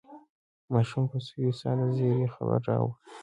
ماشوم په سوې ساه د زېري خبر راوړ.